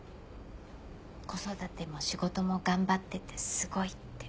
子育ても仕事も頑張っててすごいって。